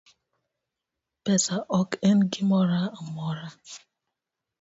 Pesa ok en gimoro amora